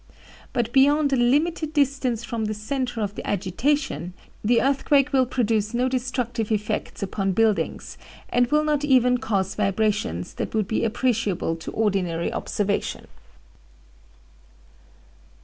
But beyond a limited distance from the centre of the agitation the earthquake will produce no destructive effects upon buildings, and will not even cause vibrations that would be appreciable to ordinary observation."